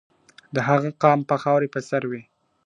د هغه قام به خاوري په سر وي !.